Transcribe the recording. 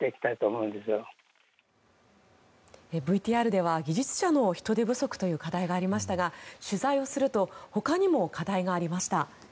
ＶＴＲでは技術者の人手不足という課題がありましたが取材をするとほかにも課題がありました。